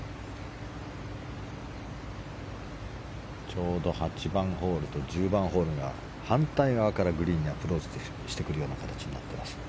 ちょうど８番ホールと１０番ホールが反対側からグリーンにアプローチしてくるような形になっています。